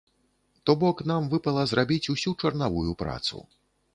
То бок, нам выпала зрабіць усю чарнавую працу.